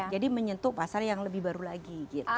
jadi menyentuh pasar yang lebih baru lagi gitu